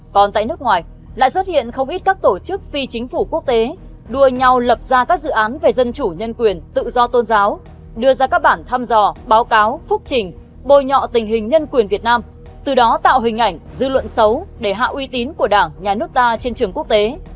còn tại nước ngoài lại xuất hiện không ít các tổ chức phi chính phủ quốc tế đua nhau lập ra các dự án về dân chủ nhân quyền tự do tôn giáo đưa ra các bản thăm dò báo cáo phúc trình bồi nhọ tình hình nhân quyền việt nam từ đó tạo hình ảnh dư luận xấu để hạ uy tín của đảng nhà nước ta trên trường quốc tế